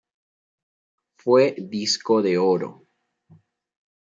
Fue disco de oro.